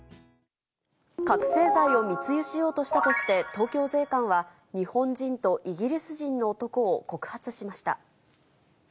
覚醒剤を密輸しようとしたとして、東京税関は、日本人とイギリス人の男を告発しました。